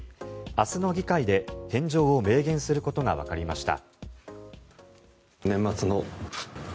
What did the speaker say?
明日の議会で返上を明言することがわかりました。